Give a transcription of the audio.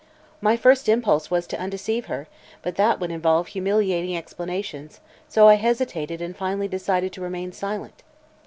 My first impulse was to undeceive her, but that would involve humiliating explanations, so I hesitated and finally decided to remain silent.